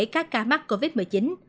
các ca mắc covid một mươi chín